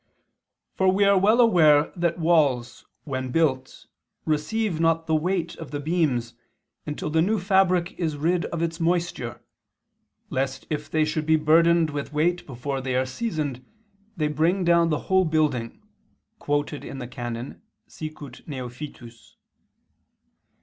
Episc.]. "For we are well aware that walls when built receive not the weight of the beams until the new fabric is rid of its moisture, lest if they should be burdened with weight before they are seasoned they bring down the whole building" (Dist. xlviii, can. Sicut neophytus).